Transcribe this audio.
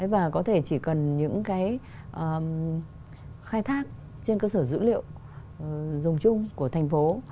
và có thể chỉ cần những cái khai thác trên cơ sở dữ liệu dùng chung của thành phố